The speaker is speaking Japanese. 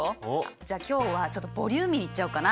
じゃ今日はちょっとボリューミーいっちゃおうかな。